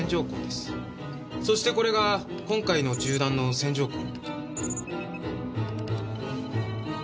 そしてこれが今回の銃弾の旋状痕。